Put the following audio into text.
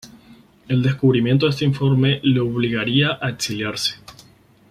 El descubrimiento de este informe le obligaría a exiliarse.